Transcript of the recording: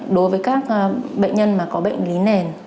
đối với các bệnh nhân có bệnh lý nền